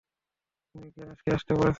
তুমি গ্যাণেশ কে আসতে বলছো?